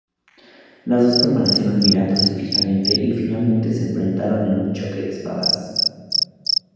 Las dos permanecieron mirándose fijamente y finalmente se enfrentaron en un choque de espadas.